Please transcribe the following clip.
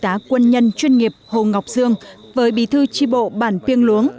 tá quân nhân chuyên nghiệp hồ ngọc dương với bí thư tri bộ bản piêng luống